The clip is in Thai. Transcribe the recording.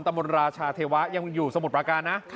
มนตราชาเทวะยังอยู่สมุทรประการนะ